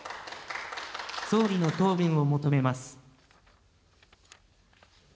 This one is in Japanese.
総理の答弁を求めます。